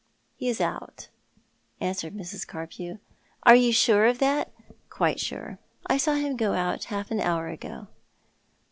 " He is out," answered Mrs. Carpew. " Are you sure of that ?"" Quite sure. I saw him go out — half an hour ago."